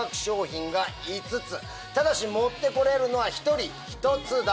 ただし持ってこれるのは１人１つだけ。